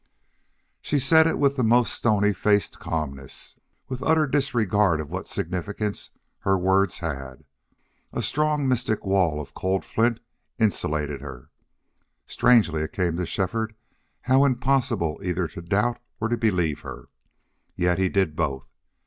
She said it with the most stony faced calmness, with utter disregard of what significance her words had. A strong, mystic wall of cold flint insulated her. Strangely it came to Shefford how impossible either to doubt or believe her. Yet he did both!